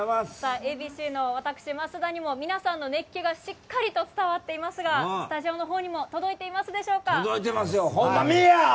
ＡＢＣの増田にも熱気がしっかり伝わっていますがスタジオのほうにも届いていますでしょうか。